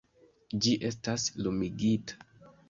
- Ĝi estas lumigita...